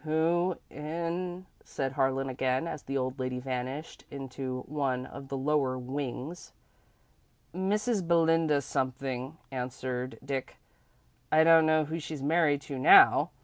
"Who in ," said Harlan, again, as the old lady vanished into one of the lower wings. "Mrs. Belinda something," answered Dick. "I don't know who she's married to now.